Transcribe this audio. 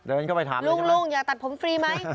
เดินเข้าไปถามลุงลุงอยากตัดผมฟรีไหม